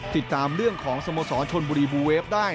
ติดตามเรื่องของสโมสรชนบุรีบูเวฟได้